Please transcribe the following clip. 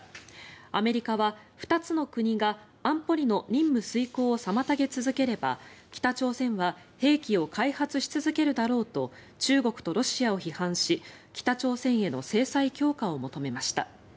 アメリカは、２つの国が安保理の任務遂行を妨げ続ければ北朝鮮は兵器を開発し続けるだろうと中国とロシアを批判し北朝鮮への制裁強化を求めました。